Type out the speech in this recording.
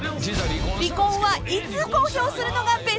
［離婚はいつ公表するのがベスト？］